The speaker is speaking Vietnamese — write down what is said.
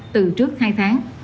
từ trước hai tháng